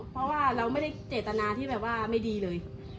เพราะว่าเราไม่ได้เจตนาที่แบบว่าไม่ดีเลย